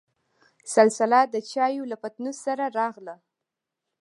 سلسله دچايو له پتنوس سره راغله.